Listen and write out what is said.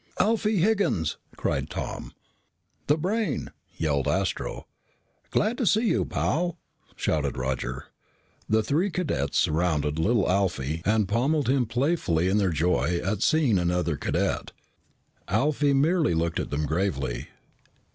"Alfie Higgins!" cried Tom. "The Brain!" yelled Astro. "Glad to see you, pal!" shouted Roger. The three cadets surrounded little Alfie and pommeled him playfully in their joy at seeing another cadet. Alfie merely looked at them gravely.